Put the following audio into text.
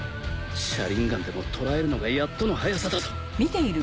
写輪眼でも捉えるのがやっとの速さだぞ